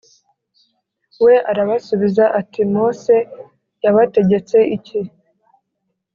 we arabasubiza ati Mose yabategetse iki